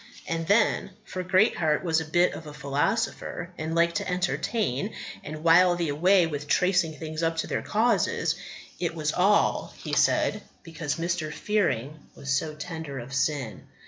And then for Greatheart was a bit of a philosopher, and liked to entertain and while the away with tracing things up to their causes "it was all," he said, "because Mr. Fearing was so tender of sin.